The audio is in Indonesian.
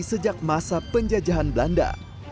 sejak masa penjajahan belanda